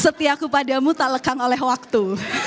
setiaku padamu tak lekang oleh waktu